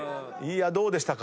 どうでしたか？